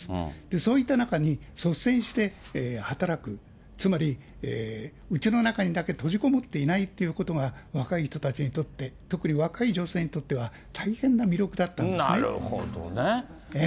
そういった中に率先して働く、つまりうちの中にだけ閉じこもっていないということが、若い人たちにとって、特に若い女性にとっては、なるほどね。